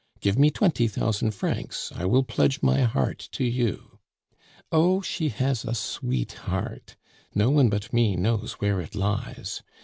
Give me twenty thousand francs. I will pledge my heart to you.' Oh, she has a sweet heart; no one but me knows where it lies.